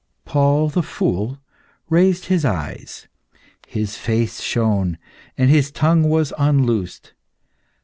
Paul the Fool raised his eyes; his face shone, and his tongue was unloosed.